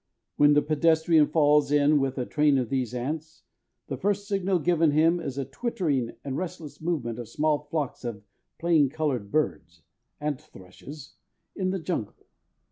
When the pedestrian falls in with a train of these ants, the first signal given him is a twittering and restless movement of small flocks of plain colored birds (ant thrushes) in the jungle.